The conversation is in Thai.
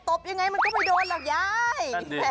บยังไงมันก็ไม่โดนหรอกยาย